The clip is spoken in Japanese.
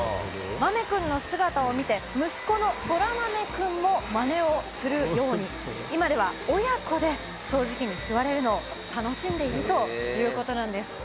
豆くんの姿を見て、息子の天豆くんも、マネをするように、今では親子で掃除機に吸われるのを楽しんでいるということなんです。